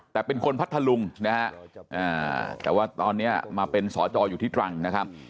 แต่เป็นคนพัทธลุงนะฮะแต่ว่าตอนเนี้ยมาเป็นสาธารณ์อยู่ที่ดรังนะฮะ